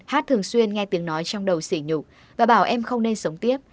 hát thường xuyên nghe tiếng nói trong đầu xỉ nhục và bảo em không nên sống tiếp